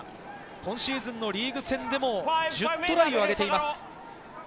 今シーズンのリーグ戦でも１０トライを挙げています。